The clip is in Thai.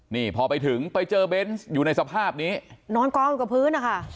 นี่พอไปถึงไปเจอเบนส์อยู่ในสภาพนี้นอนกองอยู่กับพื้นนะคะ